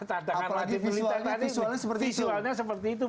tandangan militer tadi